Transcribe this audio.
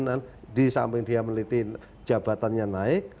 nah ini dengan disamping dia menelitikan jabatannya naik